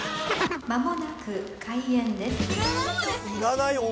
［間もなく開演です］